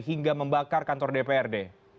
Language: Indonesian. hingga membakar kantor dprd